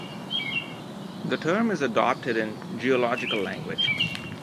The term is adopted in geological language.